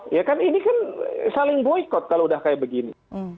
ini kan saling boykot kalau sudah kayak begini